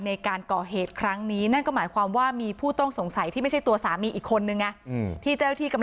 ในการเกาะเหตุครั้งนี้นั่นก็หมายความว่า